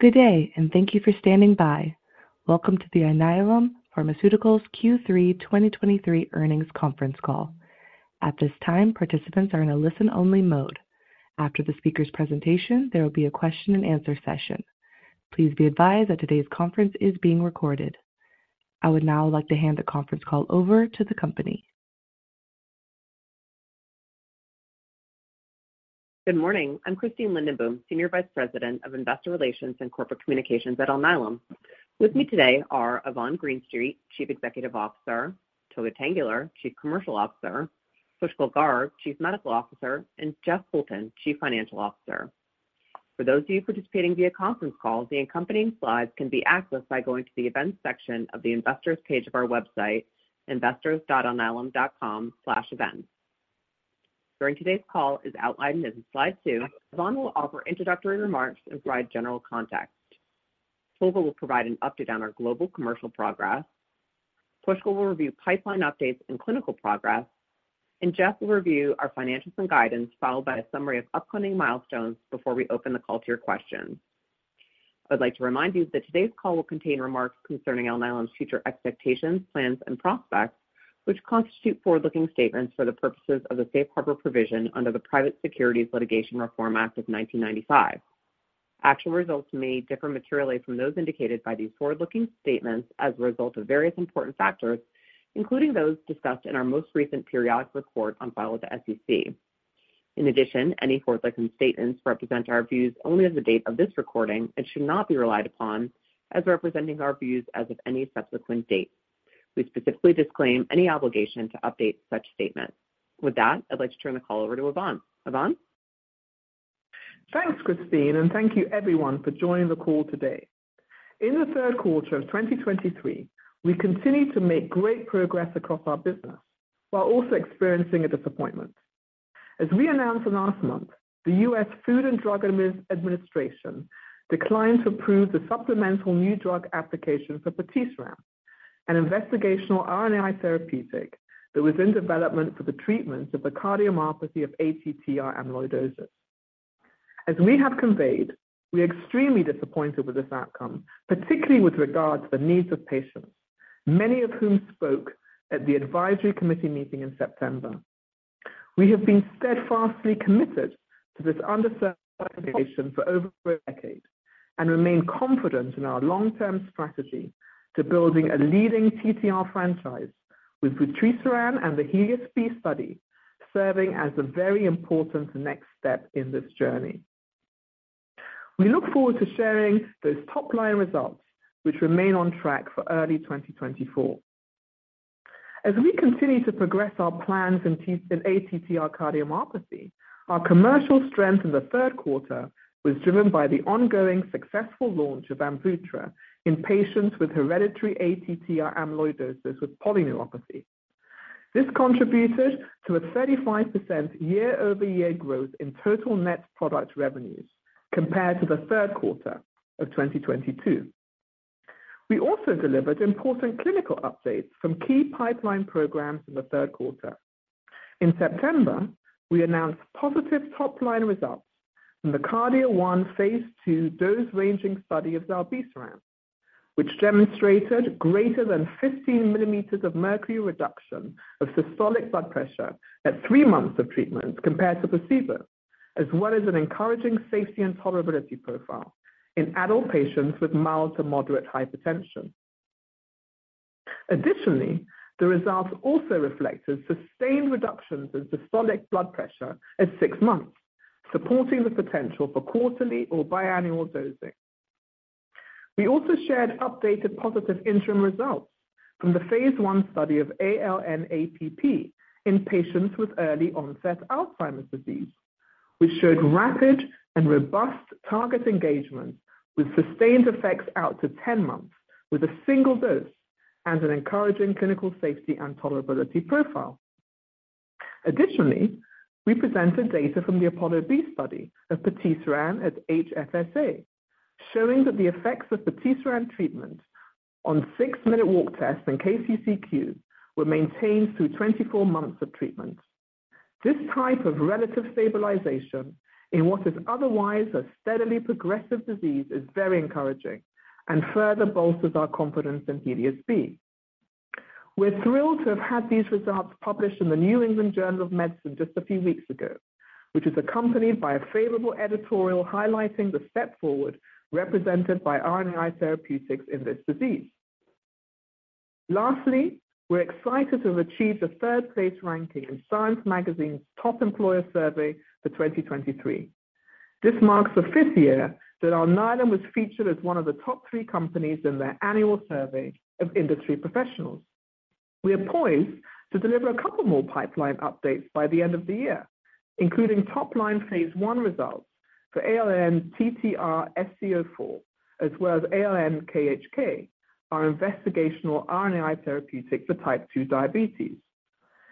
Good day, and thank you for standing by. Welcome to the Alnylam Pharmaceuticals Q3 2023 earnings conference call. At this time, participants are in a listen-only mode. After the speaker's presentation, there will be a question-and-answer session. Please be advised that today's conference is being recorded. I would now like to hand the conference call over to the company. Good morning. I'm Christine Lindenboom, Senior Vice President of Investor Relations and Corporate Communications at Alnylam. With me today are Yvonne Greenstreet, Chief Executive Officer, Tolga Tanguler, Chief Commercial Officer, Pushkal Garg, Chief Medical Officer, and Jeff Poulton, Chief Financial Officer. For those of you participating via conference call, the accompanying slides can be accessed by going to the Events section of the Investors page of our website, investors.alnylam.com/events. During today's call, as outlined in slide two, Yvonne will offer introductory remarks and provide general context. Tolga will provide an update on our global commercial progress. Pushkal will review pipeline updates and clinical progress, and Jeff will review our financials and guidance, followed by a summary of upcoming milestones before we open the call to your questions. I would like to remind you that today's call will contain remarks concerning Alnylam's future expectations, plans, and prospects, which constitute forward-looking statements for the purposes of the Safe Harbor provision under the Private Securities Litigation Reform Act of 1995. Actual results may differ materially from those indicated by these forward-looking statements as a result of various important factors, including those discussed in our most recent periodic report on file with the SEC. In addition, any forward-looking statements represent our views only as of the date of this recording and should not be relied upon as representing our views as of any subsequent date. We specifically disclaim any obligation to update such statements. With that, I'd like to turn the call over to Yvonne. Yvonne? Thanks, Christine, and thank you everyone for joining the call today. In the third quarter of 2023, we continued to make great progress across our business while also experiencing a disappointment. As we announced last month, the U.S. Food and Drug Administration declined to approve the supplemental new drug application for patisiran, an investigational RNAi therapeutic that was in development for the treatment of the cardiomyopathy of ATTR amyloidosis. As we have conveyed, we are extremely disappointed with this outcome, particularly with regard to the needs of patients, many of whom spoke at the advisory committee meeting in September. We have been steadfastly committed to this underserved population for over a decade and remain confident in our long-term strategy to building a leading TTR franchise, with patisiran and the HELIOS-B study serving as a very important next step in this journey. We look forward to sharing those top-line results, which remain on track for early 2024. As we continue to progress our plans in ATTR cardiomyopathy, our commercial strength in the third quarter was driven by the ongoing successful launch of AMVUTTRA in patients with hereditary ATTR amyloidosis with polyneuropathy. This contributed to a 35% year-over-year growth in total net product revenues compared to the third quarter of 2022. We also delivered important clinical updates from key pipeline programs in the third quarter. In September, we announced positive top-line results from the KARDIA-1 phase II dose-ranging study of zilebesiran, which demonstrated greater than 15 mm Hg reduction of systolic blood pressure at 3 months of treatment compared to placebo, as well as an encouraging safety and tolerability profile in adult patients with mild to moderate hypertension. Additionally, the results also reflected sustained reductions in systolic blood pressure at 6 months, supporting the potential for quarterly or biannual dosing. We also shared updated positive interim results from the phase I study of ALN-APP in patients with early-onset Alzheimer's disease, which showed rapid and robust target engagement with sustained effects out to 10 months with a single dose and an encouraging clinical safety and tolerability profile. Additionally, we presented data from the APOLLO-B study of patisiran at HFSA, showing that the effects of patisiran treatment on 6-minute walk tests and KCCQ were maintained through 24 months of treatment. This type of relative stabilization in what is otherwise a steadily progressive disease is very encouraging and further bolsters our confidence in HELIOS-B. We're thrilled to have had these results published in the New England Journal of Medicine just a few weeks ago, which is accompanied by a favorable editorial highlighting the step forward represented by RNAi therapeutics in this disease. Lastly, we're excited to have achieved a third-place ranking in Science Magazine's Top Employer Survey for 2023. This marks the fifth year that Alnylam was featured as one of the top three companies in their annual survey of industry professionals. We are poised to deliver a couple more pipeline updates by the end of the year, including top-line phase I results for ALN-TTRsc04, as well as ALN-KHK, our investigational RNAi therapeutic for type 2 diabetes.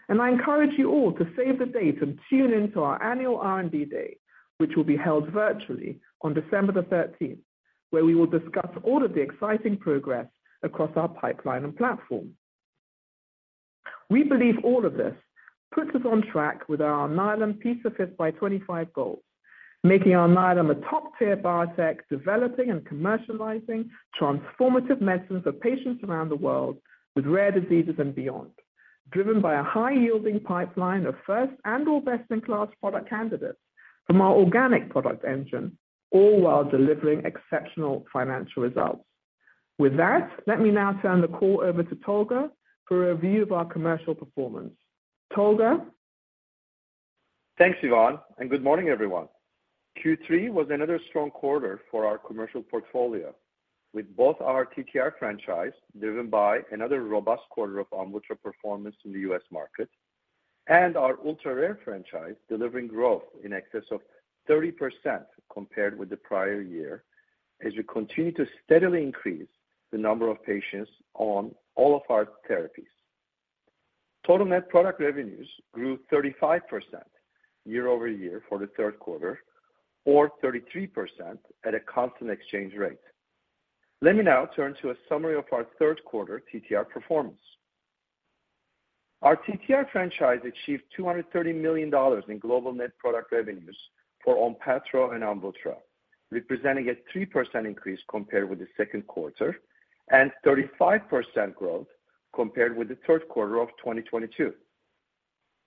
I encourage you all to save the date and tune in to our annual R&D Day, which will be held virtually on December 13, where we will discuss all of the exciting progress across our pipeline and platform.... We believe all of this puts us on track with our Alnylam P5x25 goals, making Alnylam a top-tier biotech, developing and commercializing transformative medicines for patients around the world with rare diseases and beyond, driven by a high-yielding pipeline of first and or best-in-class product candidates from our organic product engine, all while delivering exceptional financial results. With that, let me now turn the call over to Tolga for a review of our commercial performance. Tolga? Thanks, Yvonne, and good morning, everyone. Q3 was another strong quarter for our commercial portfolio, with both our TTR franchise, driven by another robust quarter of ONPATTRO performance in the U.S. market, and our ultra-rare franchise delivering growth in excess of 30% compared with the prior year, as we continue to steadily increase the number of patients on all of our therapies. Total net product revenues grew 35% year-over-year for the third quarter, or 33% at a constant exchange rate. Let me now turn to a summary of our third quarter TTR performance. Our TTR franchise achieved $230 million in global net product revenues for ONPATTRO and AMVUTTRA, representing a 3% increase compared with the second quarter and 35% growth compared with the third quarter of 2022.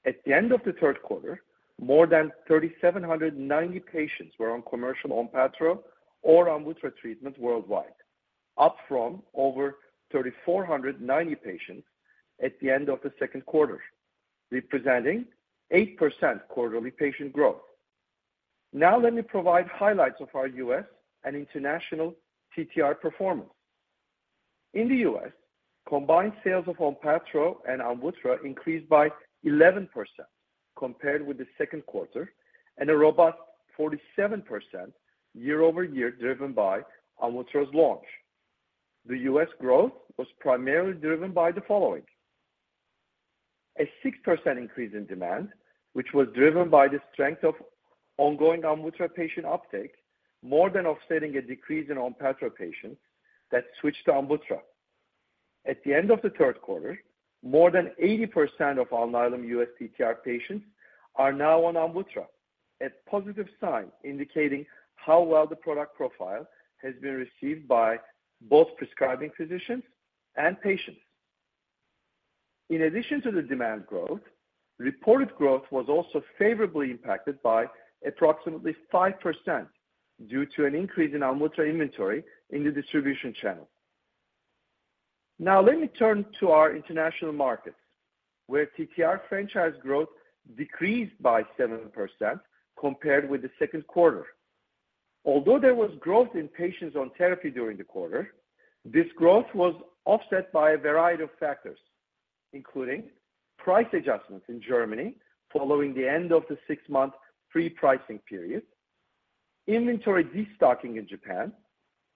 At the end of the third quarter, more than 3,790 patients were on commercial ONPATTRO or AMVUTTRA treatment worldwide, up from over 3,490 patients at the end of the second quarter, representing 8% quarterly patient growth. Now, let me provide highlights of our U.S. and international TTR performance. In the U.S., combined sales of ONPATTRO and AMVUTTRA increased by 11% compared with the second quarter and a robust 47% year-over-year, driven by AMVUTTRA's launch. The U.S. growth was primarily driven by the following: a 6% increase in demand, which was driven by the strength of ongoing AMVUTTRA patient uptake, more than offsetting a decrease in ONPATTRO patients that switched to AMVUTTRA. At the end of the third quarter, more than 80% of Alnylam U.S. TTR patients are now on AMVUTTRA, a positive sign indicating how well the product profile has been received by both prescribing physicians and patients. In addition to the demand growth, reported growth was also favorably impacted by approximately 5% due to an increase in AMVUTTRA inventory in the distribution channel. Now, let me turn to our international markets, where TTR franchise growth decreased by 7% compared with the second quarter. Although there was growth in patients on therapy during the quarter, this growth was offset by a variety of factors, including price adjustments in Germany following the end of the 6-month free pricing period, inventory destocking in Japan,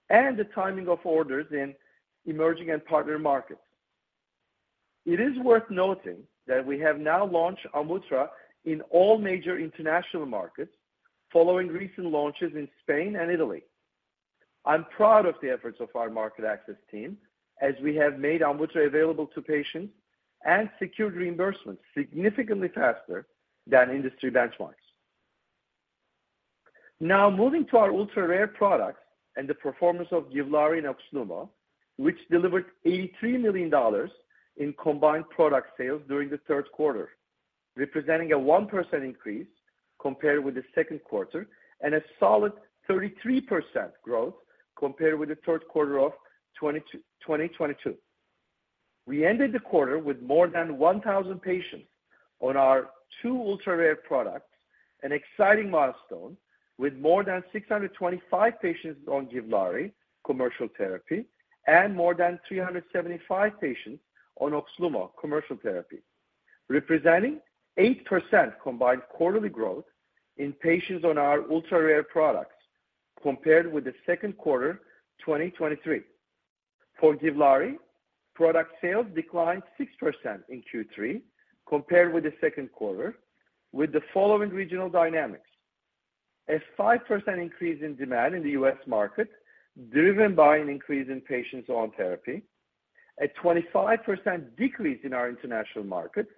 and the timing of orders in emerging and partner markets. It is worth noting that we have now launched AMVUTTRA in all major international markets following recent launches in Spain and Italy. I'm proud of the efforts of our market access team as we have made AMVUTTRA available to patients and secured reimbursements significantly faster than industry benchmarks. Now, moving to our ultra-rare products and the performance of GIVLAARI and OXLUMO, which delivered $83 million in combined product sales during the third quarter, representing a 1% increase compared with the second quarter and a solid 33% growth compared with the third quarter of 2022. We ended the quarter with more than 1,000 patients on our two ultra-rare products, an exciting milestone with more than 625 patients on GIVLAARI commercial therapy and more than 375 patients on OXLUMO commercial therapy, representing 8% combined quarterly growth in patients on our ultra-rare products compared with the second quarter 2023. For GIVLAARI, product sales declined 6% in Q3 compared with the second quarter, with the following regional dynamics: a 5% increase in demand in the U.S. market, driven by an increase in patients on therapy. A 25% decrease in our international markets,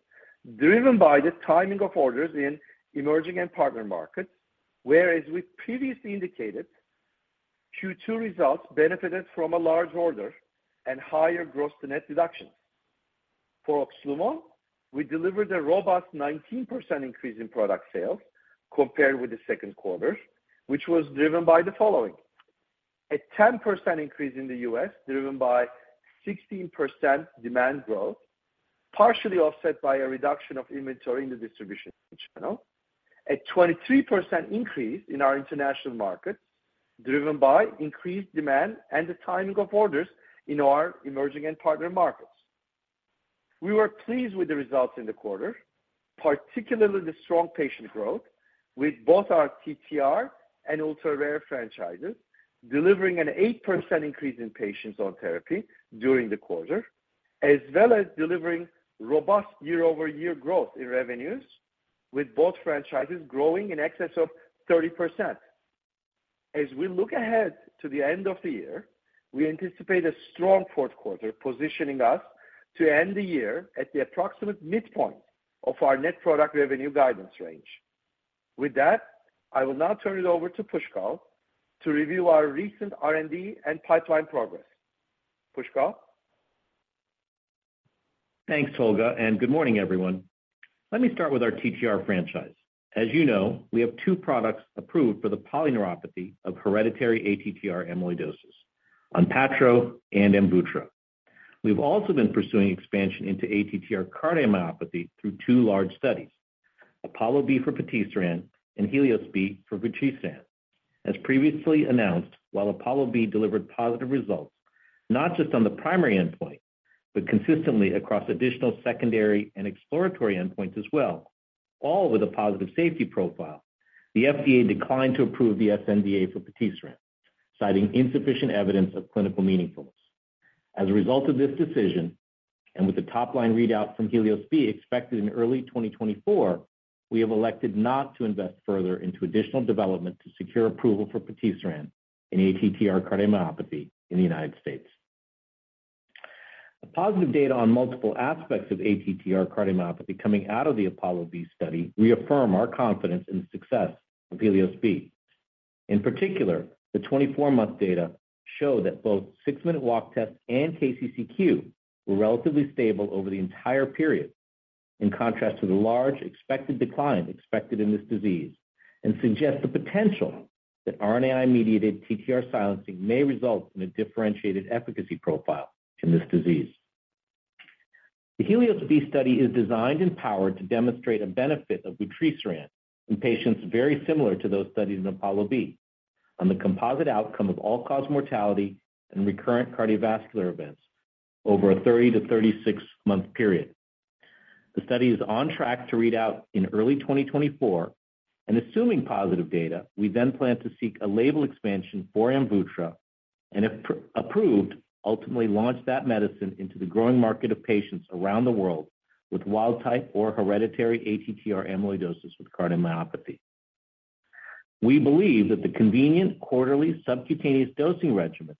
driven by the timing of orders in emerging and partner markets. Whereas we previously indicated Q2 results benefited from a large order and higher gross to net deductions. For OXLUMO, we delivered a robust 19% increase in product sales compared with the second quarter, which was driven by the following: a 10% increase in the U.S., driven by 16% demand growth, partially offset by a reduction of inventory in the distribution channel. A 23% increase in our international markets, driven by increased demand and the timing of orders in our emerging and partner markets. We were pleased with the results in the quarter, particularly the strong patient growth with both our TTR and ultra-rare franchises, delivering an 8% increase in patients on therapy during the quarter, as well as delivering robust year-over-year growth in revenues, with both franchises growing in excess of 30%. As we look ahead to the end of the year, we anticipate a strong fourth quarter, positioning us to end the year at the approximate midpoint of our net product revenue guidance range. With that, I will now turn it over to Pushkal to review our recent R&D and pipeline progress. Pushkal? Thanks, Tolga, and good morning, everyone. Let me start with our TTR franchise. As you know, we have two products approved for the polyneuropathy of hereditary ATTR amyloidosis, ONPATTRO and AMVUTTRA. We've also been pursuing expansion into ATTR cardiomyopathy through two large studies, APOLLO-B for patisiran and HELIOS-B for vutrisiran. As previously announced, while APOLLO-B delivered positive results, not just on the primary endpoint, but consistently across additional secondary and exploratory endpoints as well, all with a positive safety profile, the FDA declined to approve the sNDA for patisiran, citing insufficient evidence of clinical meaningfulness. As a result of this decision, and with the top-line readout from HELIOS-B expected in early 2024, we have elected not to invest further into additional development to secure approval for patisiran in ATTR cardiomyopathy in the United States. The positive data on multiple aspects of ATTR cardiomyopathy coming out of the APOLLO-B study reaffirm our confidence in the success of vutrisiran. In particular, the 24-month data show that both six-minute walk test and KCCQ were relatively stable over the entire period, in contrast to the large expected decline expected in this disease and suggest the potential that RNAi-mediated TTR silencing may result in a differentiated efficacy profile in this disease. The HELIOS-B study is designed and powered to demonstrate a benefit of vutrisiran in patients very similar to those studied in APOLLO-B on the composite outcome of all-cause mortality and recurrent cardiovascular events over a 30- to 36-month period. The study is on track to read out in early 2024, and assuming positive data, we then plan to seek a label expansion for AMVUTTRA, and if approved, ultimately launch that medicine into the growing market of patients around the world with wild type or hereditary ATTR amyloidosis with cardiomyopathy. We believe that the convenient quarterly subcutaneous dosing regimen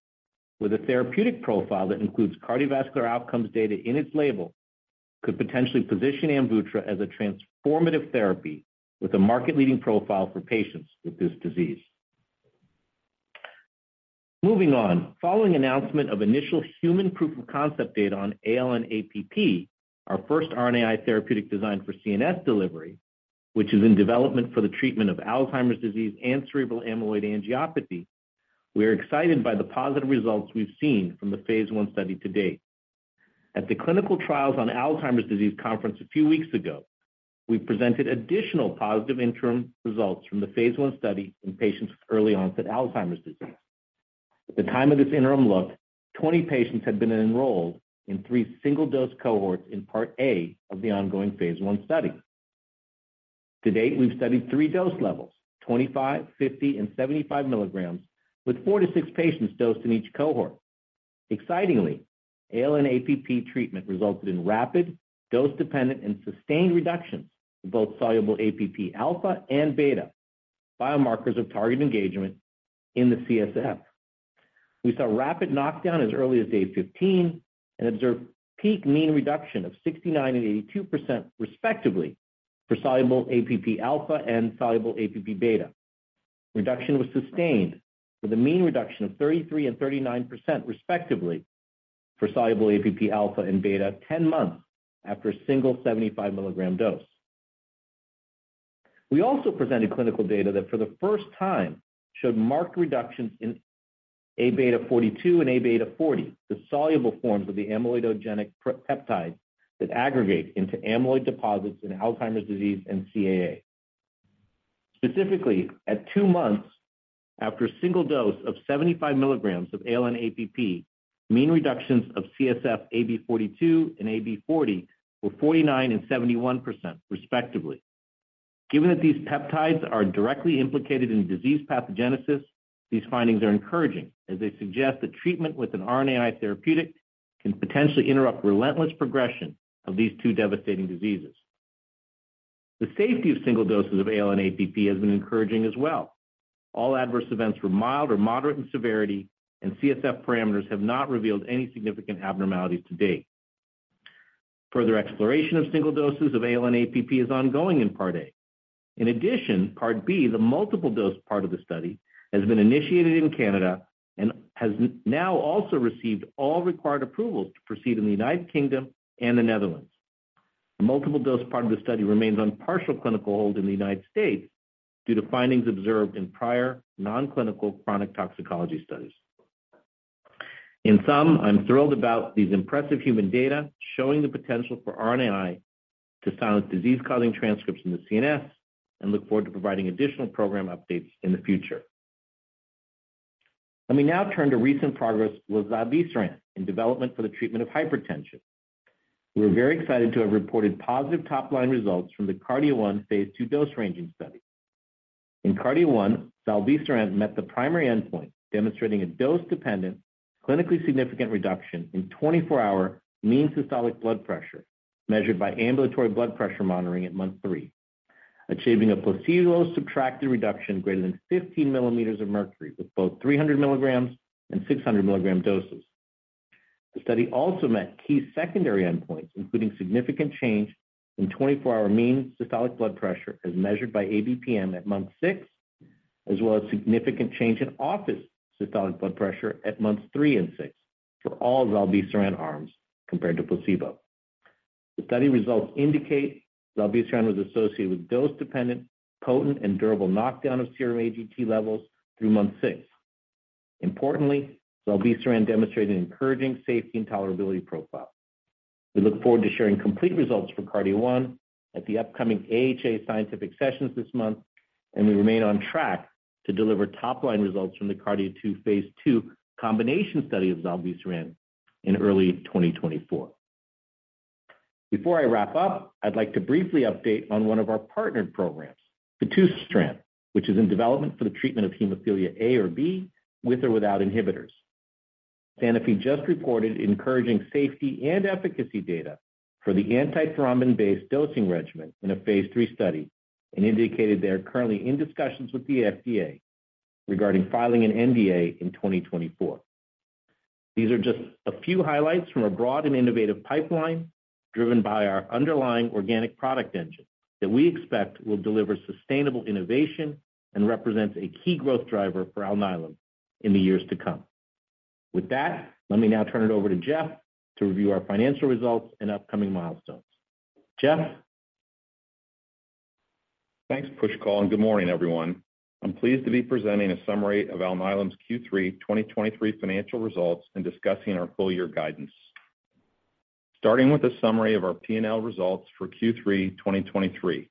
with a therapeutic profile that includes cardiovascular outcomes data in its label, could potentially position AMVUTTRA as a transformative therapy with a market-leading profile for patients with this disease. Moving on, following announcement of initial human proof-of-concept data on ALN-APP, our first RNAi therapeutic design for CNS delivery, which is in development for the treatment of Alzheimer's disease and cerebral amyloid angiopathy, we are excited by the positive results we've seen from the phase one study to date. At the Clinical Trials on Alzheimer's disease conference a few weeks ago, we presented additional positive interim results from the phase I study in patients with early-onset Alzheimer's disease. At the time of this interim look, 20 patients had been enrolled in 3 single-dose cohorts in part A of the ongoing phase I study. To date, we've studied 3 dose levels: 25 mg, 50 mg, and 75 mg, with 4-6 patients dosed in each cohort. Excitingly, ALN-APP treatment resulted in rapid, dose-dependent, and sustained reductions in both soluble APP alpha and beta, biomarkers of target engagement in the CSF. We saw rapid knockdown as early as day 15 and observed peak mean reduction of 69% and 82%, respectively, for soluble APP alpha and soluble APP beta. Reduction was sustained with a mean reduction of 33% and 39%, respectively, for soluble APP alpha and beta, 10 months after a single 75 mg dose. We also presented clinical data that for the first time, showed marked reductions in Aβ42 and Aβ40, the soluble forms of the amyloidogenic peptides that aggregate into amyloid deposits in Alzheimer's disease and CAA. Specifically, at two months after a single dose of 75 mg of ALN-APP, mean reductions of CSF Aβ42 and Aβ40 were 49% and 71%, respectively. Given that these peptides are directly implicated in disease pathogenesis, these findings are encouraging, as they suggest that treatment with an RNAi therapeutic can potentially interrupt relentless progression of these two devastating diseases. The safety of single doses of ALN-APP has been encouraging as well. All adverse events were mild or moderate in severity, and CSF parameters have not revealed any significant abnormalities to date. Further exploration of single doses of ALN-APP is ongoing in part A. In addition, part B, the multiple dose part of the study, has been initiated in Canada and has now also received all required approvals to proceed in the United Kingdom and the Netherlands. The multiple dose part of the study remains on partial clinical hold in the United States due to findings observed in prior non-clinical chronic toxicology studies. In sum, I'm thrilled about these impressive human data showing the potential for RNAi to silence disease-causing transcripts in the CNS and look forward to providing additional program updates in the future. Let me now turn to recent progress with zilebesiran in development for the treatment of hypertension. We are very excited to have reported positive top-line results from the KARDIA-1 phase II dose-ranging study. In KARDIA-1, zilebesiran met the primary endpoint, demonstrating a dose-dependent, clinically significant reduction in 24-hour mean systolic blood pressure, measured by ambulatory blood pressure monitoring at month 3, achieving a placebo-subtracted reduction greater than 15 mm Hg, with both 300 mg and 600 mg doses. The study also met key secondary endpoints, including significant change in 24-hour mean systolic blood pressure, as measured by ABPM at month 6, as well as significant change in office systolic blood pressure at months 3 and 6 for all zilebesiran arms compared to placebo. The study results indicate zilebesiran was associated with dose-dependent, potent, and durable knockdown of serum AGT levels through month 6. Importantly, zilebesiran demonstrated an encouraging safety and tolerability profile. We look forward to sharing complete results for KARDIA-1 at the upcoming AHA Scientific Sessions this month, and we remain on track to deliver top-line results from the KARDIA-2 phase II combination study of zilebesiran in early 2024. Before I wrap up, I'd like to briefly update on one of our partnered programs, fitusiran, which is in development for the treatment of hemophilia A or B, with or without inhibitors. Sanofi just reported encouraging safety and efficacy data for the antithrombin-based dosing regimen in a phase 3 study and indicated they are currently in discussions with the FDA regarding filing an NDA in 2024. These are just a few highlights from a broad and innovative pipeline, driven by our underlying organic product engine, that we expect will deliver sustainable innovation and represents a key growth driver for Alnylam in the years to come. With that, let me now turn it over to Jeff to review our financial results and upcoming milestones. Jeff? Thanks, Pushkal, and good morning, everyone. I'm pleased to be presenting a summary of Alnylam's Q3 2023 financial results and discussing our full-year guidance. Starting with a summary of our P&L results for Q3 2023.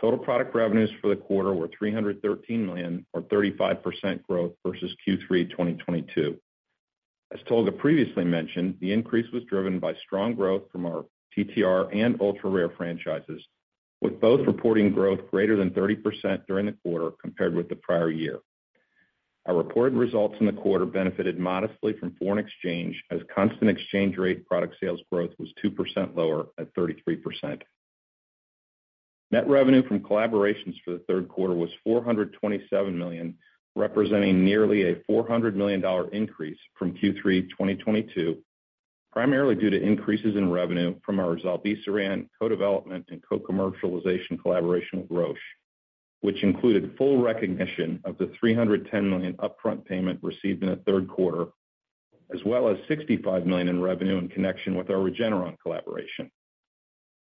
Total product revenues for the quarter were $313 million, or 35% growth, versus Q3 2022. As Tolga previously mentioned, the increase was driven by strong growth from our TTR and ultra-rare franchises, with both reporting growth greater than 30% during the quarter compared with the prior year. Our reported results in the quarter benefited modestly from foreign exchange, as constant exchange rate product sales growth was 2% lower at 33%. Net revenue from collaborations for the third quarter was $427 million, representing nearly a $400 million increase from Q3 2022, primarily due to increases in revenue from our zilebesiran co-development and co-commercialization collaboration with Roche, which included full recognition of the $310 million upfront payment received in the third quarter, as well as $65 million in revenue in connection with our Regeneron collaboration.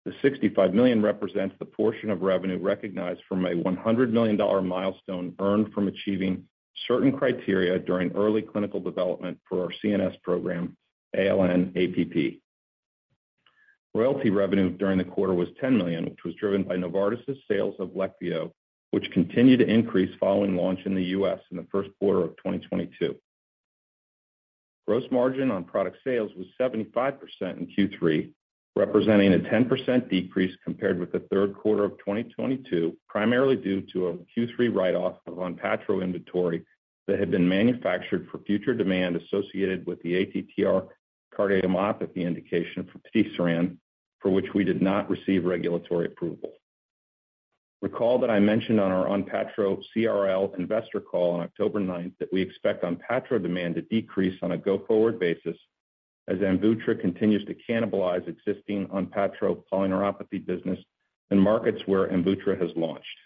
The $65 million represents the portion of revenue recognized from a $100 million milestone earned from achieving certain criteria during early clinical development for our CNS program, ALN-APP. Royalty revenue during the quarter was $10 million, which was driven by Novartis' sales of LEQVIO, which continued to increase following launch in the U.S. in the first quarter of 2022. Gross margin on product sales was 75% in Q3, representing a 10% decrease compared with the third quarter of 2022, primarily due to a Q3 write-off of ONPATTRO inventory that had been manufactured for future demand associated with the ATTR cardiomyopathy indication for patisiran, for which we did not receive regulatory approval. Recall that I mentioned on our ONPATTRO CRL investor call on October 9th, that we expect ONPATTRO demand to decrease on a go-forward basis as AMVUTTRA continues to cannibalize existing ONPATTRO polyneuropathy business in markets where AMVUTTRA has launched.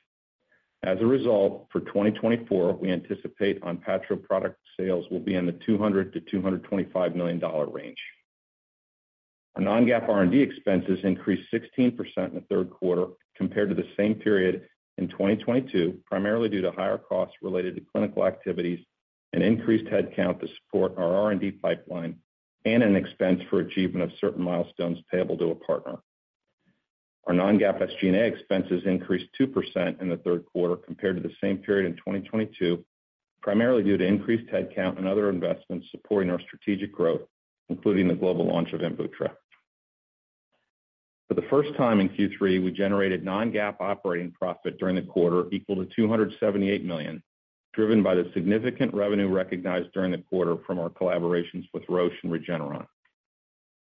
As a result, for 2024, we anticipate ONPATTRO product sales will be in the $200-$225 million range. Our non-GAAP R&D expenses increased 16% in the third quarter compared to the same period in 2022, primarily due to higher costs related to clinical activities and increased headcount to support our R&D pipeline and an expense for achievement of certain milestones payable to a partner. Our non-GAAP SG&A expenses increased 2% in the third quarter compared to the same period in 2022, primarily due to increased headcount and other investments supporting our strategic growth, including the global launch of AMVUTTRA. For the first time in Q3, we generated non-GAAP operating profit during the quarter equal to $278 million, driven by the significant revenue recognized during the quarter from our collaborations with Roche and Regeneron.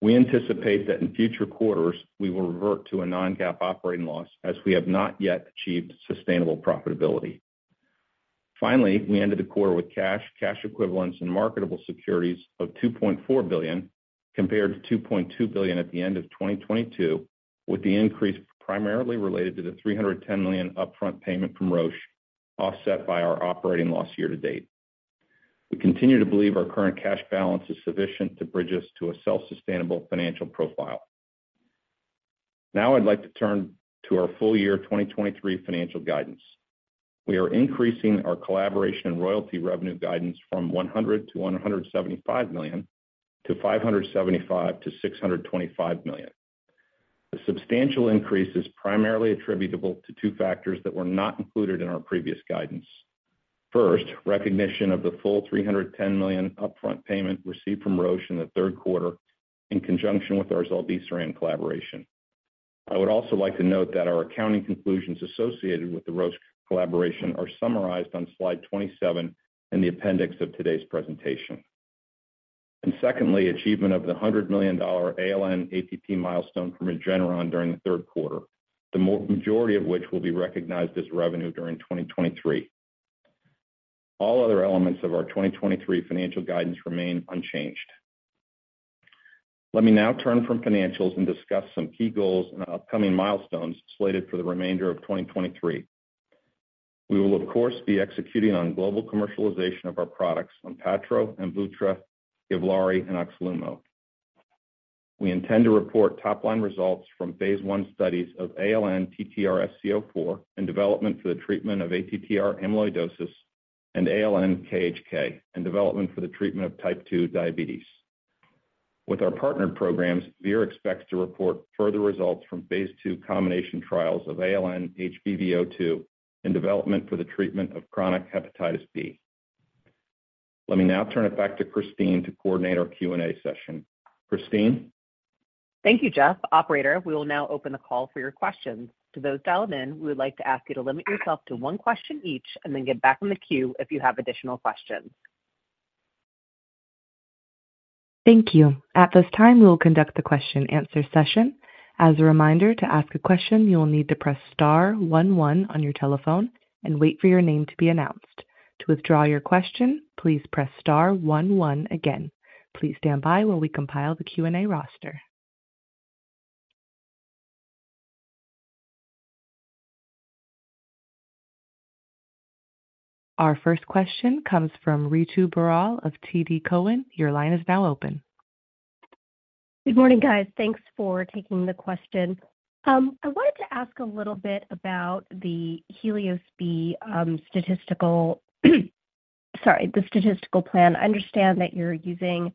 We anticipate that in future quarters, we will revert to a non-GAAP operating loss, as we have not yet achieved sustainable profitability. Finally, we ended the quarter with cash, cash equivalents, and marketable securities of $2.4 billion, compared to $2.2 billion at the end of 2022, with the increase primarily related to the $310 million upfront payment from Roche, offset by our operating loss year to date. We continue to believe our current cash balance is sufficient to bridge us to a self-sustainable financial profile. Now I'd like to turn to our full-year 2023 financial guidance. We are increasing our collaboration and royalty revenue guidance from $100 million-$175 million to $575 million-$625 million. The substantial increase is primarily attributable to two factors that were not included in our previous guidance. First, recognition of the full $310 million upfront payment received from Roche in the third quarter in conjunction with our zilebesiran collaboration. I would also like to note that our accounting conclusions associated with the Roche collaboration are summarized on slide 27 in the appendix of today's presentation. Secondly, achievement of the $100 million ALN-TTRsc04 milestone from Regeneron during the third quarter, the majority of which will be recognized as revenue during 2023. All other elements of our 2023 financial guidance remain unchanged. Let me now turn from financials and discuss some key goals and upcoming milestones slated for the remainder of 2023. We will, of course, be executing on global commercialization of our products, ONPATTRO, AMVUTTRA, GIVLAARI and OXLUMO. We intend to report top-line results from phase 1 studies of ALN-TTRsc04 in development for the treatment of ATTR amyloidosis, and ALN-KHK, in development for the treatment of type 2 diabetes. With our partnered programs, Vir expects to report further results from phase II combination trials of ALN-HBV02 in development for the treatment of chronic hepatitis B. Let me now turn it back to Christine to coordinate our Q&A session. Christine? Thank you, Jeff. Operator, we will now open the call for your questions. To those dialed in, we would like to ask you to limit yourself to one question each and then get back in the queue if you have additional questions. Thank you. At this time, we will conduct the question-answer session. As a reminder, to ask a question, you will need to press star one one on your telephone and wait for your name to be announced. To withdraw your question, please press star one one again. Please stand by while we compile the Q&A roster. Our first question comes from Ritu Baral of TD Cowen. Your line is now open. Good morning, guys. Thanks for taking the question. I wanted to ask a little bit about the HELIOS-B statistical plan. I understand that you're using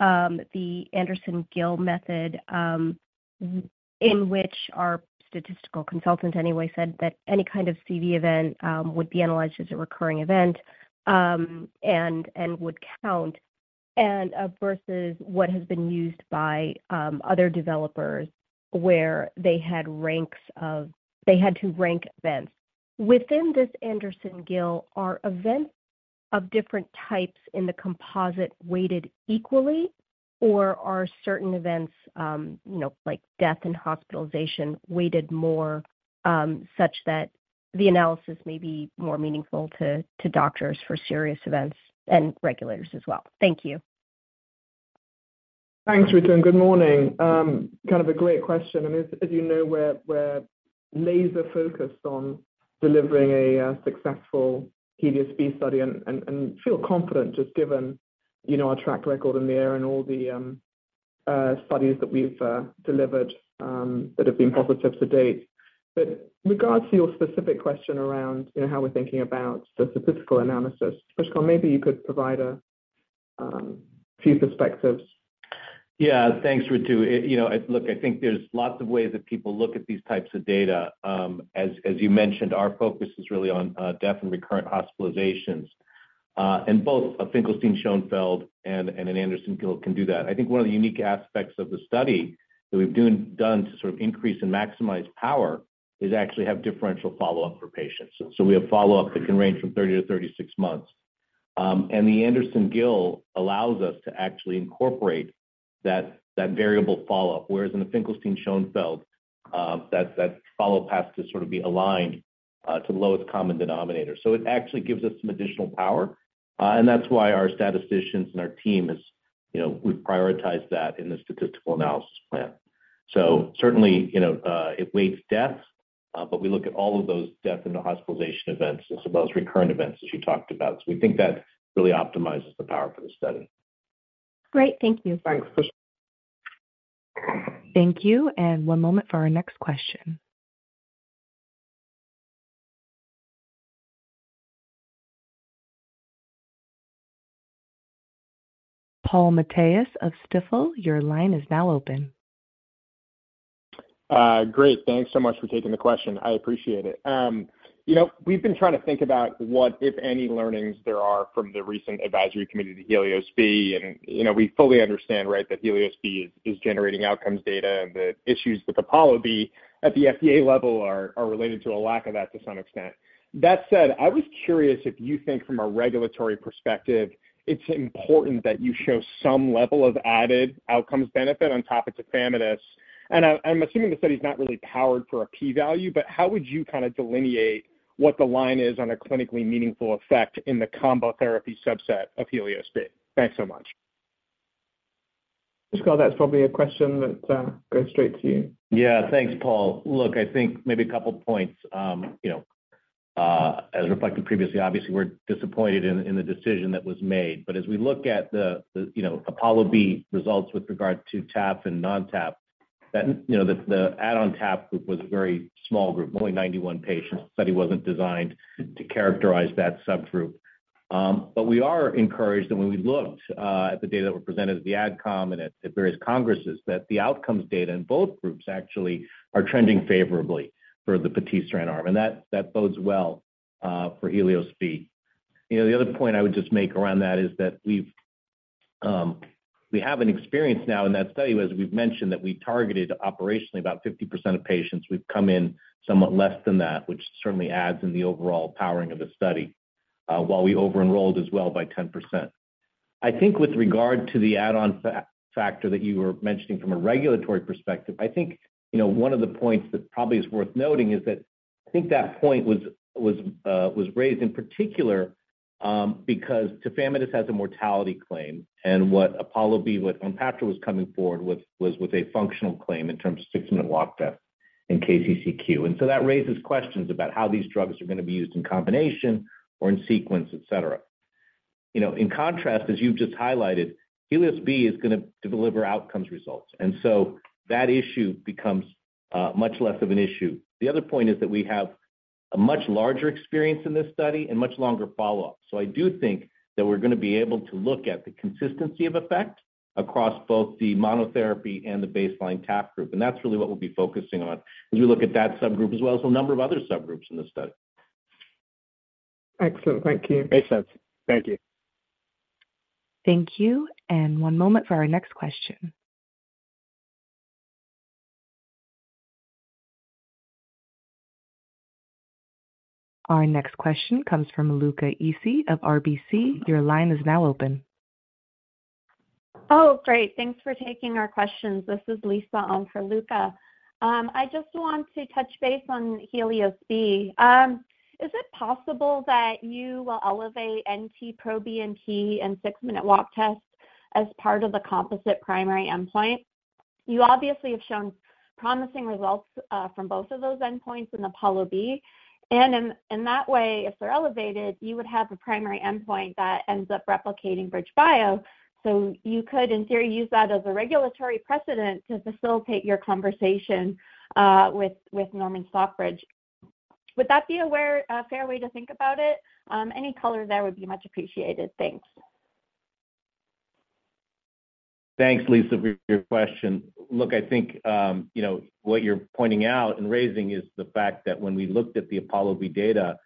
the Andersen-Gill method, in which our statistical consultant anyway said that any kind of CV event would be analyzed as a recurring event, and would count, versus what has been used by other developers where they had ranks of... They had to rank events. Within this Andersen-Gill, are events of different types in the composite weighted equally, or are certain events, you know, like death and hospitalization, weighted more, such that the analysis may be more meaningful to doctors for serious events and regulators as well? Thank you. Thanks, Ritu, and good morning. Kind of a great question, and as you know, we're laser-focused on delivering a successful HELIOS-B study and feel confident, just given, you know, our track record in the area and all the studies that we've delivered that have been positive to date. But regards to your specific question around, you know, how we're thinking about the statistical analysis, Pushkal, maybe you could provide a few perspectives. Yeah. Thanks, Ritu. You know, look, I think there's lots of ways that people look at these types of data. As you mentioned, our focus is really on death and recurrent hospitalizations. And both Finkelstein-Schoenfeld and Andersen-Gill can do that. I think one of the unique aspects of the study that we've done to sort of increase and maximize power is actually have differential follow-up for patients. So we have follow-up that can range from 30-36 months. And the Andersen-Gill allows us to actually incorporate that variable follow-up, whereas in the Finkelstein-Schoenfeld, that follow path to sort of be aligned to the lowest common denominator. So it actually gives us some additional power, and that's why our statisticians and our team is, you know, we've prioritized that in the statistical analysis plan. So certainly, you know, it weighs deaths, but we look at all of those deaths and the hospitalization events, as well as recurrent events that you talked about. So we think that really optimizes the power for the study. Great. Thank you. Thanks, Ritu. Thank you, and one moment for our next question. Paul Matteis of Stifel, your line is now open. Great. Thanks so much for taking the question. I appreciate it. You know, we've been trying to think about what, if any, learnings there are from the recent advisory committee to HELIOS-B, and, you know, we fully understand, right, that HELIOS-B is generating outcomes data and the issues with APOLLO-B at the FDA level are related to a lack of that to some extent. That said, I was curious if you think from a regulatory perspective, it's important that you show some level of added outcomes benefit on top of tafamidis. And I, I'm assuming the study is not really powered for a p-value, but how would you kind of delineate what the line is on a clinically meaningful effect in the combo therapy subset of HELIOS-B? Thanks so much. Pushkal, that's probably a question that goes straight to you. Yeah. Thanks, Paul. Look, I think maybe a couple points. You know, as reflected previously, obviously, we're disappointed in the decision that was made. But as we look at the APOLLO-B results with regard to TAP and non-TAP, you know, the add-on TAP group was a very small group, only 91 patients. The study wasn't designed to characterize that subgroup. But we are encouraged, and when we looked at the data that were presented at the Adcomm and at various congresses, that the outcomes data in both groups actually are trending favorably for the patisiran arm, and that bodes well for HELIOS-B. You know, the other point I would just make around that is that we've. We have an experience now in that study, as we've mentioned, that we targeted operationally about 50% of patients. We've come in somewhat less than that, which certainly adds in the overall powering of the study, while we over-enrolled as well by 10%. I think with regard to the add-on factor that you were mentioning from a regulatory perspective, I think, you know, one of the points that probably is worth noting is that I think that point was raised in particular, because tafamidis has a mortality claim, and what APOLLO-B, what ONPATTRO was coming forward with, was with a functional claim in terms of six-minute walk test in KCCQ. And so that raises questions about how these drugs are going to be used in combination or in sequence, et cetera. You know, in contrast, as you've just highlighted, HELIOS-B is going to deliver outcomes results, and so that issue becomes much less of an issue. The other point is that we have a much larger experience in this study and much longer follow-up. So I do think that we're going to be able to look at the consistency of effect across both the monotherapy and the baseline Taf group, and that's really what we'll be focusing on as we look at that subgroup, as well as a number of other subgroups in the study. Excellent. Thank you. Makes sense. Thank you. Thank you, and one moment for our next question. Our next question comes from Luca Issi of RBC. Your line is now open. Oh, great, thanks for taking our questions. This is Lisa on for Luca. I just want to touch base on HELIOS-B. Is it possible that you will elevate NT-proBNP and six-minute walk test as part of the composite primary endpoint? You obviously have shown promising results from both of those endpoints in APOLLO-B, and in that way, if they're elevated, you would have a primary endpoint that ends up replicating BridgeBio. So you could, in theory, use that as a regulatory precedent to facilitate your conversation with Norman Stockbridge. Would that be a fair way to think about it? Any color there would be much appreciated. Thanks. Thanks, Lisa, for your question. Look, I think, you know, what you're pointing out and raising is the fact that when we looked at the APOLLO-B data,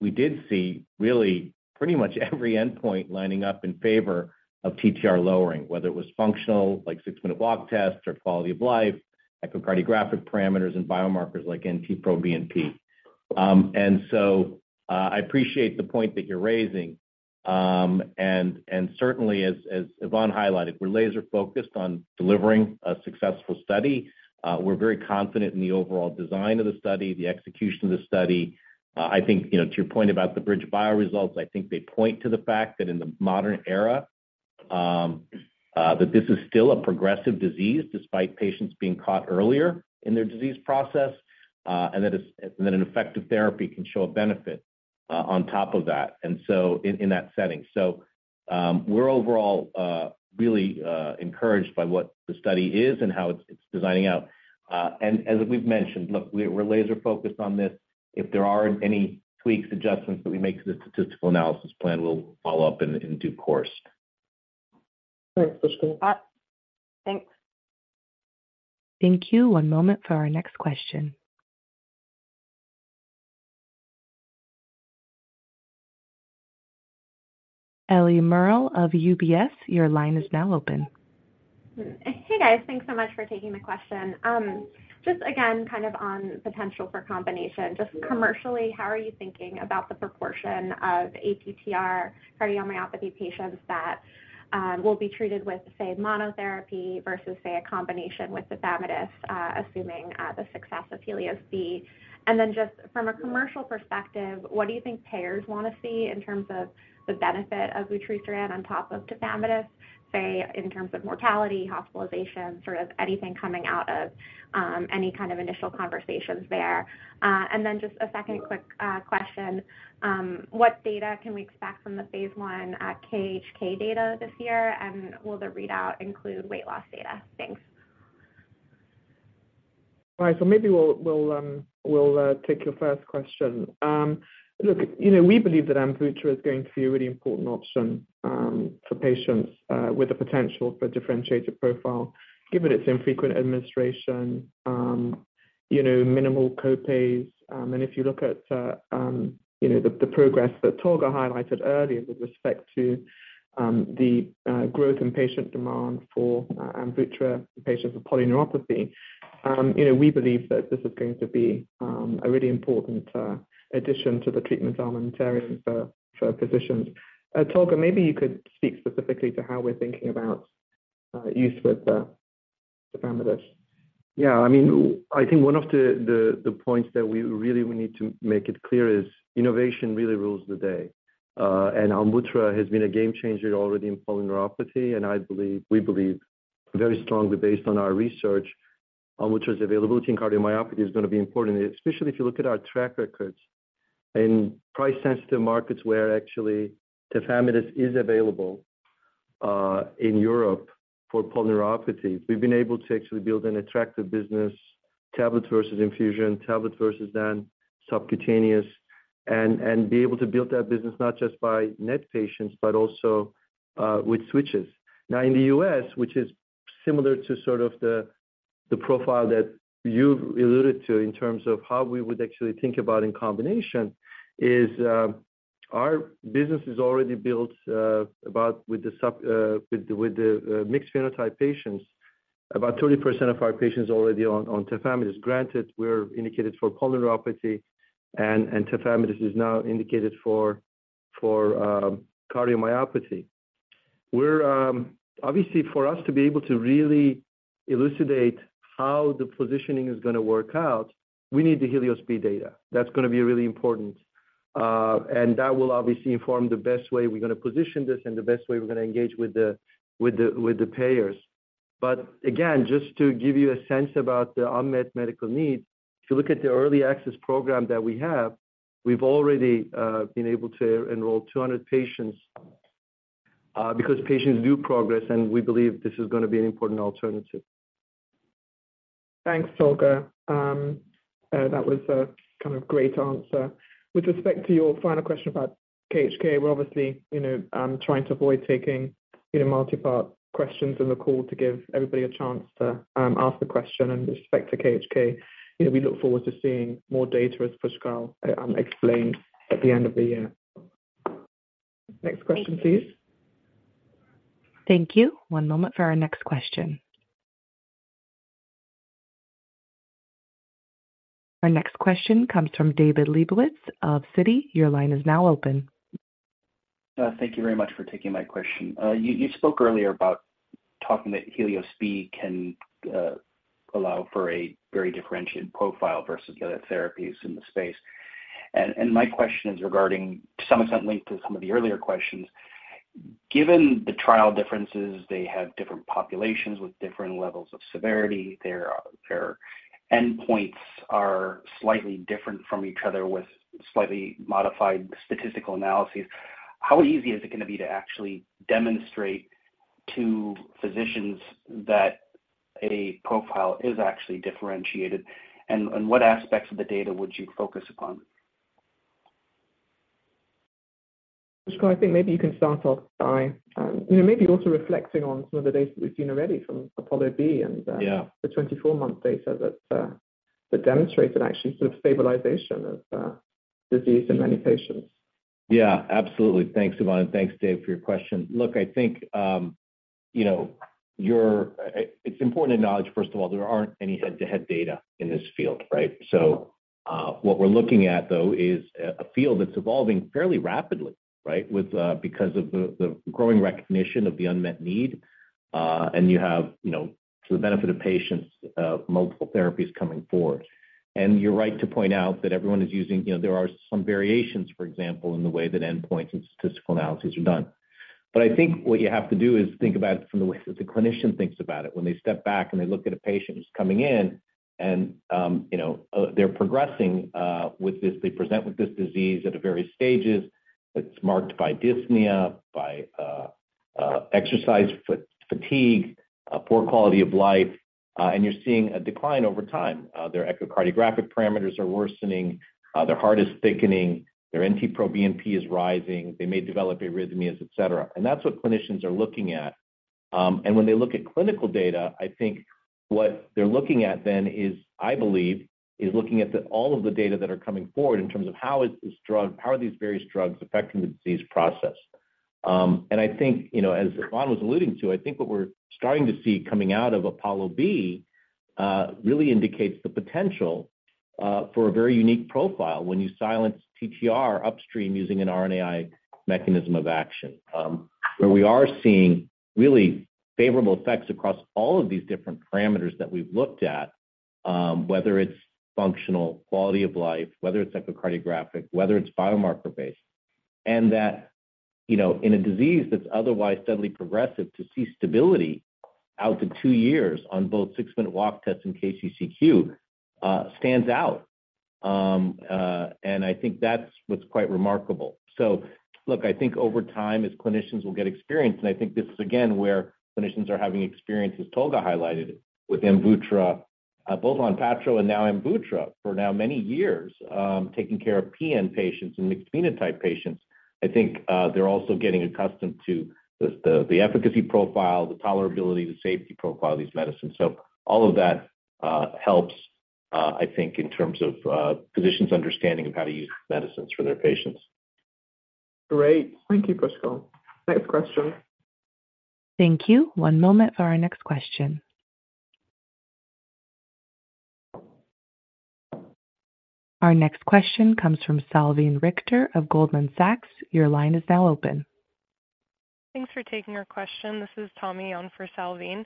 we did see really pretty much every endpoint lining up in favor of TTR lowering, whether it was functional, like six-minute walk test or quality of life, echocardiographic parameters and biomarkers like NT-proBNP. And so, I appreciate the point that you're raising. And, certainly as, Yvonne highlighted, we're laser-focused on delivering a successful study. We're very confident in the overall design of the study, the execution of the study. I think, you know, to your point about the BridgeBio results, I think they point to the fact that in the modern era, that this is still a progressive disease, despite patients being caught earlier in their disease process, and that an effective therapy can show a benefit, on top of that, and so in that setting. So, we're overall really encouraged by what the study is and how it's designing out. And as we've mentioned, look, we're laser-focused on this. If there are any tweaks, adjustments that we make to the statistical analysis plan, we'll follow up in due course. Thanks, Lisa. Uh, thanks. Thank you. One moment for our next question. Ellie Merle of UBS, your line is now open. Hey, guys. Thanks so much for taking the question. Just again, kind of on potential for combination. Just commercially, how are you thinking about the proportion of ATTR cardiomyopathy patients that will be treated with, say, monotherapy versus, say, a combination with tafamidis, assuming the success of HELIOS-B? And then just from a commercial perspective, what do you think payers want to see in terms of the benefit of vutrisiran on top of tafamidis, say, in terms of mortality, hospitalization, sort of anything coming out of any kind of initial conversations there? And then just a second quick question. What data can we expect from the phase I ALN-KHK data this year, and will the readout include weight loss data? Thanks. All right. So maybe we'll take your first question. Look, you know, we believe that AMVUTTRA is going to be a really important option for patients with the potential for a differentiated profile, given its infrequent administration, you know, minimal copays. And if you look at, you know, the progress that Tolga highlighted earlier with respect to the growth in patient demand for AMVUTTRA, the patients with polyneuropathy, you know, we believe that this is going to be a really important addition to the treatment armamentarium for physicians. Tolga, maybe you could speak specifically to how we're thinking about use with tafamidis. Yeah, I mean, I think one of the points that we really need to make it clear is innovation really rules the day. And AMVUTTRA has been a game changer already in polyneuropathy, and I believe, we believe very strongly based on our research, AMVUTTRA's availability in cardiomyopathy is going to be important, especially if you look at our track records. In price-sensitive markets where actually tafamidis is available, in Europe for polyneuropathy, we've been able to actually build an attractive business, tablets versus infusion, tablets versus then subcutaneous, and be able to build that business not just by net patients, but also with switches. Now, in the U.S., which is similar to sort of the-... The profile that you've alluded to in terms of how we would actually think about in combination, is, our business is already built about with the mixed phenotype patients. About 30% of our patients are already on tafamidis. Granted, we're indicated for cardiomyopathy, and tafamidis is now indicated for cardiomyopathy. We're obviously, for us to be able to really elucidate how the positioning is gonna work out, we need the HELIOS-B data. That's gonna be really important. And that will obviously inform the best way we're gonna position this and the best way we're gonna engage with the payers. But again, just to give you a sense about the unmet medical needs, if you look at the early access program that we have, we've already been able to enroll 200 patients, because patients do progress, and we believe this is gonna be an important alternative. Thanks, Tolga. That was a kind of great answer. With respect to your final question about KHK, we're obviously, you know, trying to avoid taking, you know, multipart questions on the call to give everybody a chance to ask the question and respect to KHK. You know, we look forward to seeing more data, as Pascal explained at the end of the year. Next question, please. Thank you. One moment for our next question. Our next question comes from David Lebowitz of Citi. Your line is now open. Thank you very much for taking my question. You spoke earlier about talking that HELIOS-B can allow for a very differentiated profile versus the other therapies in the space. And my question is regarding, to some extent, linked to some of the earlier questions. Given the trial differences, they have different populations with different levels of severity. Their endpoints are slightly different from each other, with slightly modified statistical analyses. How easy is it gonna be to actually demonstrate to physicians that a profile is actually differentiated? And what aspects of the data would you focus upon? Pushkal, I think maybe you can start off by, you know, maybe also reflecting on some of the data that we've seen already from APOLLO-B and. Yeah. The 24-month data that demonstrated actually sort of stabilization of disease in many patients. Yeah, absolutely. Thanks, Yvonne, and thanks, Dave, for your question. Look, I think, you know, it's important to acknowledge, first of all, there aren't any head-to-head data in this field, right? So, what we're looking at, though, is a field that's evolving fairly rapidly, right? With, because of the growing recognition of the unmet need, and you have, you know, for the benefit of patients, multiple therapies coming forward. And you're right to point out that everyone is using, you know, there are some variations, for example, in the way that endpoints and statistical analyses are done. But I think what you have to do is think about it from the way that the clinician thinks about it. When they step back and they look at a patient who's coming in and, you know, they're progressing, with this... They present with this disease at the various stages. It's marked by dyspnea, by exercise fatigue, poor quality of life, and you're seeing a decline over time. Their echocardiographic parameters are worsening, their heart is thickening, their NT-proBNP is rising, they may develop arrhythmias, et cetera. That's what clinicians are looking at. When they look at clinical data, I think what they're looking at then is, I believe, looking at all of the data that are coming forward in terms of how is this drug, how are these various drugs affecting the disease process. And I think, you know, as Yvonne was alluding to, I think what we're starting to see coming out of APOLLO-B really indicates the potential for a very unique profile when you silence TTR upstream using an RNAi mechanism of action. Where we are seeing really favorable effects across all of these different parameters that we've looked at, whether it's functional, quality of life, whether it's echocardiographic, whether it's biomarker-based. And that, you know, in a disease that's otherwise steadily progressive, to see stability out to two years on both six-minute walk tests and KCCQ, stands out. And I think that's what's quite remarkable. So look, I think over time, as clinicians will get experienced, and I think this is again, where clinicians are having experiences Tolga highlighted with AMVUTTRA, both ONPATTRO and now AMVUTTRA, for now many years, taking care of PN patients and mixed phenotype patients. I think, they're also getting accustomed to the, the, the efficacy profile, the tolerability, the safety profile of these medicines. So all of that helps, I think, in terms of physicians' understanding of how to use medicines for their patients. Great. Thank you, Pushkal. Next question. Thank you. One moment for our next question. Our next question comes from Salveen Richter of Goldman Sachs. Your line is now open. Thanks for taking our question. This is Tommy on for Salveen.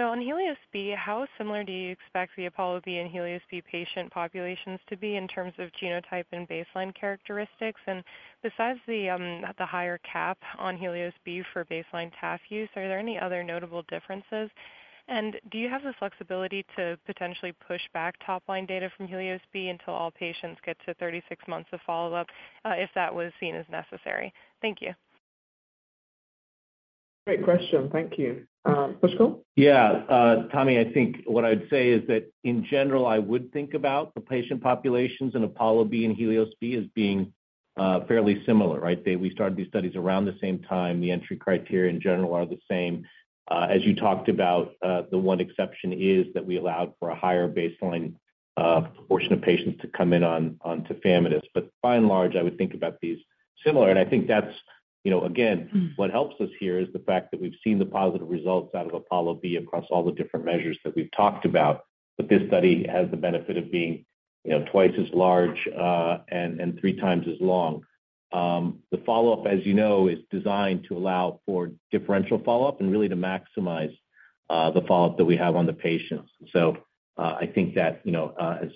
So on HELIOS-B, how similar do you expect the APOLLO-B and HELIOS-B patient populations to be in terms of genotype and baseline characteristics? And besides the higher cap on HELIOS-B for baseline taf use, are there any other notable differences? And do you have the flexibility to potentially push back top-line data from HELIOS-B until all patients get to 36 months of follow-up, if that was seen as necessary? Thank you. Great question. Thank you. Pushkal? Yeah, Tommy, I think what I'd say is that in general, I would think about the patient populations in APOLLO-B and HELIOS-B as being fairly similar, right? They, we started these studies around the same time. The entry criteria in general are the same. As you talked about, the one exception is that we allowed for a higher baseline portion of patients to come in on tafamidis. But by and large, I would think about these similar, and I think that's, you know, again... Mm. What helps us here is the fact that we've seen the positive results out of APOLLO-B across all the different measures that we've talked about. But this study has the benefit of being, you know, twice as large, and three times as long. The follow-up, as you know, is designed to allow for differential follow-up and really to maximize the follow-up that we have on the patients. So, I think that, you know, as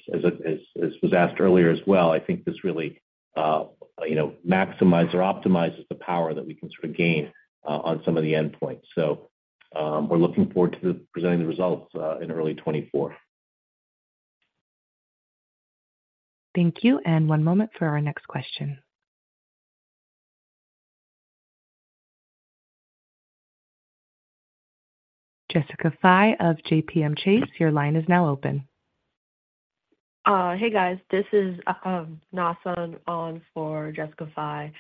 was asked earlier as well, I think this really, you know, maximize or optimizes the power that we can sort of gain on some of the endpoints. So, we're looking forward to presenting the results in early 2024. Thank you, and one moment for our next question. Jessica Fye of JPMorgan Chase, your line is now open. Hey, guys, this is Na Sun on for Jessica Fye.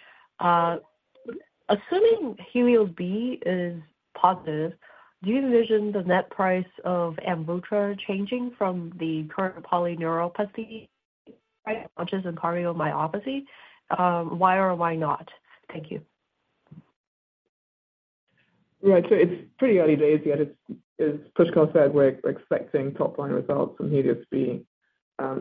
Assuming HELIOS-B is positive, do you envision the net price of AMVUTTRA changing from the current polyneuropathy, right, which is cardiomyopathy? Why or why not? Thank you. Right. So it's pretty early days yet. As Pushkal said, we're expecting top-line results from HELIOS-B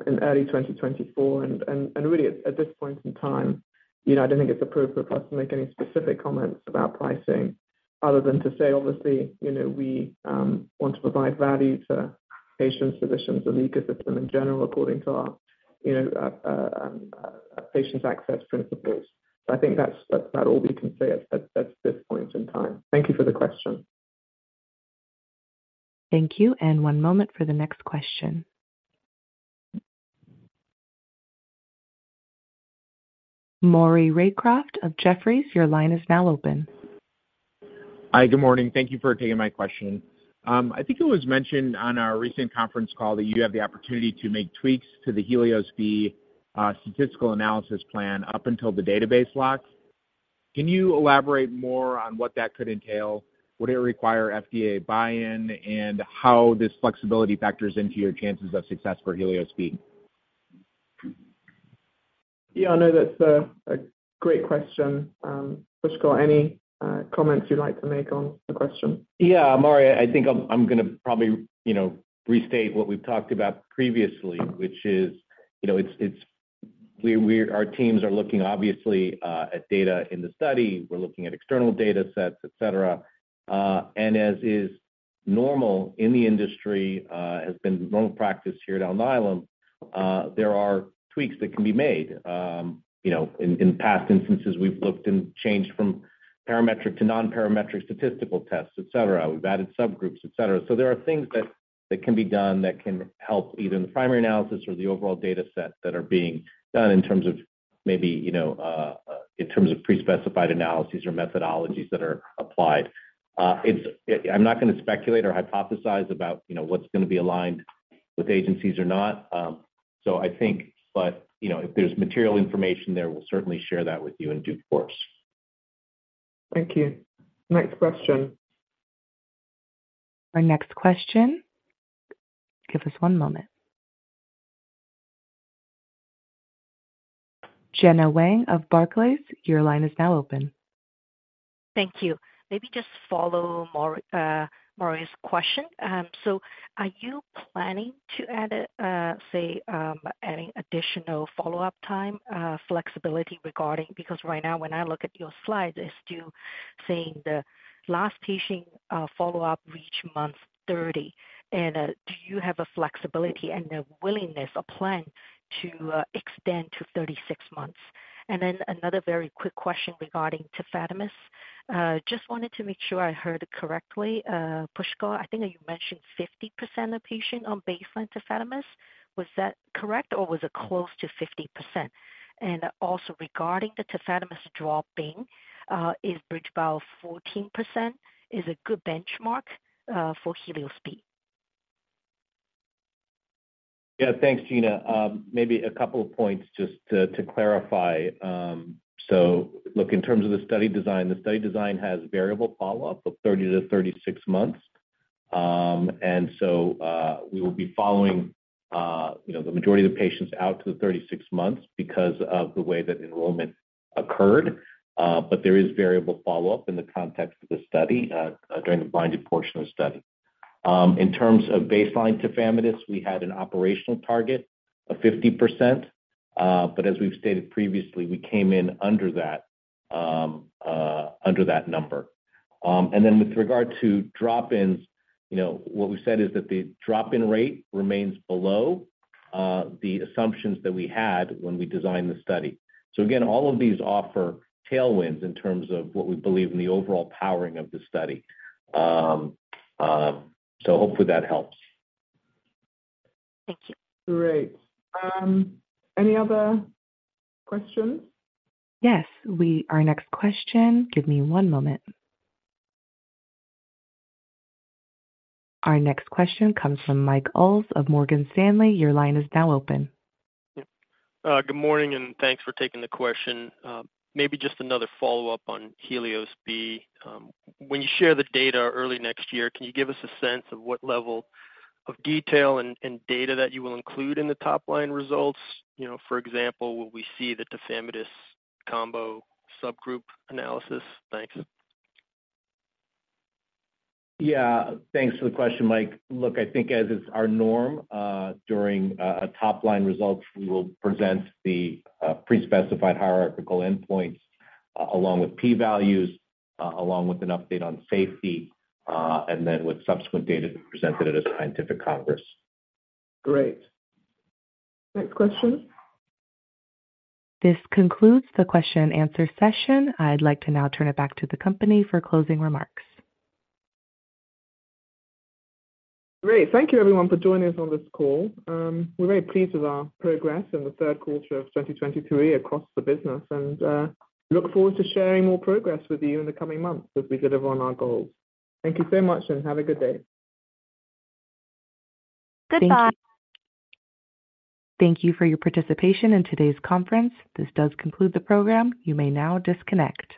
in early 2024. And really, at this point in time, you know, I don't think it's appropriate for us to make any specific comments about pricing other than to say, obviously, you know, we want to provide value to patients, physicians, and the ecosystem in general, according to our, you know, patient access principles. So I think that's about all we can say at this point in time. Thank you for the question. Thank you, and one moment for the next question. Maury Raycroft of Jefferies, your line is now open. Hi, good morning. Thank you for taking my question. I think it was mentioned on our recent conference call that you have the opportunity to make tweaks to the HELIOS-B statistical analysis plan up until the database locks. Can you elaborate more on what that could entail? Would it require FDA buy-in, and how this flexibility factors into your chances of success for HELIOS-B? Yeah, I know that's a great question. Pushkal, any comments you'd like to make on the question? Yeah, Maury, I think I'm gonna probably, you know, restate what we've talked about previously, which is, you know, Our teams are looking obviously at data in the study. We're looking at external datasets, et cetera. And as is normal in the industry, has been normal practice here at Alnylam, there are tweaks that can be made. You know, in past instances, we've looked and changed from parametric to nonparametric statistical tests, et cetera. We've added subgroups, et cetera. So there are things that can be done that can help either the primary analysis or the overall data set that are being done in terms of maybe, you know, in terms of pre-specified analyses or methodologies that are applied. I'm not going to speculate or hypothesize about, you know, what's going to be aligned with agencies or not. So, I think, but, you know, if there's material information there, we'll certainly share that with you in due course. Thank you. Next question. Our next question. Give us one moment. Gena Wang of Barclays, your line is now open. Thank you. Maybe just follow Maury's question. So are you planning to add, say, any additional follow-up time, flexibility regarding...? Because right now, when I look at your slides, it's still saying the last patient, follow-up reach month 30. And, do you have a flexibility and the willingness or plan to, extend to 36 months? And then another very quick question regarding tafamidis. Just wanted to make sure I heard correctly, Pushkal, I think you mentioned 50% of patients on baseline tafamidis. Was that correct, or was it close to 50%? And also, regarding the tafamidis drop-in, is BridgeBio below 14%, is a good benchmark, for HELIOS-B? Yeah, thanks, Gena. Maybe a couple of points just to clarify. So look, in terms of the study design, the study design has variable follow-up of 30-36 months. And so we will be following you know the majority of the patients out to the 36 months because of the way that enrollment occurred. But there is variable follow-up in the context of the study during the blinded portion of the study. In terms of baseline tafamidis, we had an operational target of 50%, but as we've stated previously, we came in under that under that number. And then with regard to drop-ins, you know, what we said is that the drop-in rate remains below the assumptions that we had when we designed the study. So again, all of these offer tailwinds in terms of what we believe in the overall powering of the study. So hopefully that helps. Thank you. Great. Any other questions? Yes. Our next question. Give me one moment. Our next question comes from Mike Yee of Morgan Stanley. Your line is now open. Good morning, and thanks for taking the question. Maybe just another follow-up on HELIOS-B. When you share the data early next year, can you give us a sense of what level of detail and, and data that you will include in the top-line results? You know, for example, will we see the tafamidis combo subgroup analysis? Thanks. Yeah, thanks for the question, Mike. Look, I think as is our norm, during a top-line results, we will present the pre-specified hierarchical endpoints, along with p-values, along with an update on safety, and then with subsequent data presented at a scientific congress. Great. Next question? This concludes the question and answer session. I'd like to now turn it back to the company for closing remarks. Great. Thank you, everyone, for joining us on this call. We're very pleased with our progress in the third quarter of 2023 across the business, and look forward to sharing more progress with you in the coming months as we deliver on our goals. Thank you so much, and have a good day. Goodbye. Thank you for your participation in today's conference. This does conclude the program. You may now disconnect.